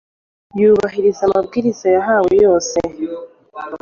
yubahiriza amabwiriza yahawe. yose